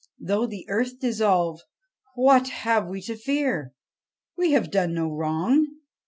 ' Though the earth dissolve, what have we to fear ? We have done no wrong!